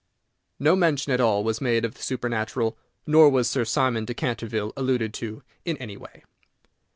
No mention at all was made of the supernatural, nor was Sir Simon de Canterville alluded to in any way.